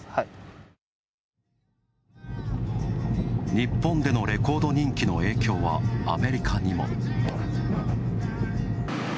日本でのレコード人気の影響はアメリカにも。